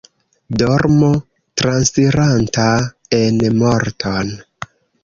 Dormo, transiranta en morton.